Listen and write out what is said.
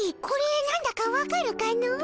これなんだかわかるかの？